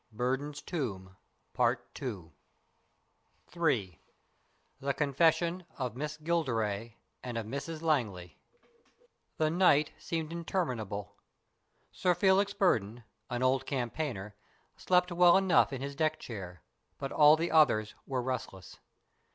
BURDON'S TOMB 91 III THE CONFESSION OF MISS GILDERAY AND OF MRS LANGLEY THE night seemed interminable. Sir Felix Burdon, an old campaigner, slept well enough in his deck chair, but all the others were restless.